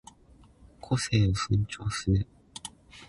個性を尊重する